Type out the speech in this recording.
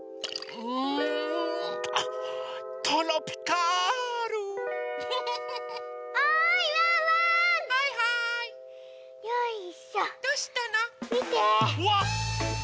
うわっ。